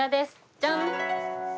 ジャン！